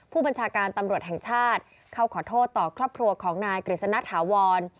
ผู้บัญชาการธรรมชาติเขาขอโทษต่อกล้าปลัวคุณกฤษณฑ์ถาววร